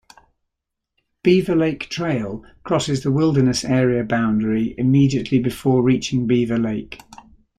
Beaver Lake Trail crosses the wilderness area boundary immediately before reaching Beaver Lake.